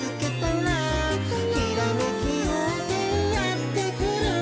「ひらめきようせいやってくる」